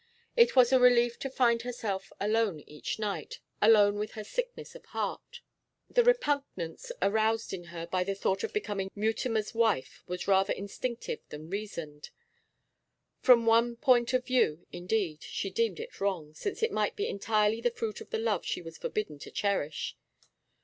It was a relief to find herself alone each night, alone with her sickness of heart. The repugnance aroused in her by the thought of becoming Mutimer's wife was rather instinctive than reasoned. From one point of view, indeed, she deemed it wrong, since it might be entirely the fruit of the love she was forbidden to cherish.